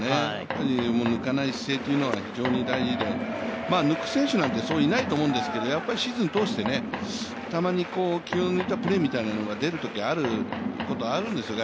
手も抜かないし制球も非常に大事で、抜く選手なんて、そういないと思うんですけどやっぱりシーズン通して、たまに気を抜いたプレーみたいなのが出ることがあるんですよ